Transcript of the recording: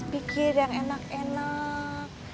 pikir yang enak enak